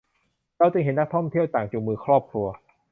เราจึงเห็นนักท่องเที่ยวต่างจูงมือครอบครัว